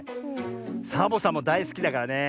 サボさんもだいすきだからね